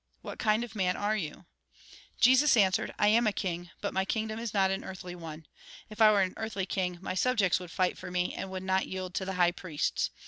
What kind of a man are you ?" Jesus answered :" I am a king ; but my kingdom is not an earthly one. If I were an earthly king, my subjects would fight for me, and would not yield to the high priests.